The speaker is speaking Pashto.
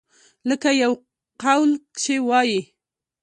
لکه يو قول کښې وائي ۔